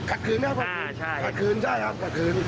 ขัดคืนครับขัดคืนใช่ครับขัดคืน